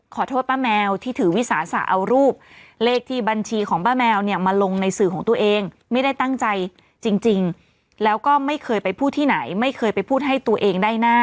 ป้าแมวที่ถือวิสาสะเอารูปเลขที่บัญชีของป้าแมวเนี่ยมาลงในสื่อของตัวเองไม่ได้ตั้งใจจริงแล้วก็ไม่เคยไปพูดที่ไหนไม่เคยไปพูดให้ตัวเองได้หน้า